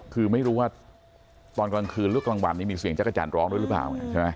คือไม่รู้ว่าตอนกลางคืนลูกกลางหวานนี้มีเสียงจักรรมร้องด้วยหรือเปล่า